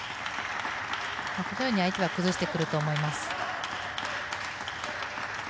このように相手は崩してくると思います。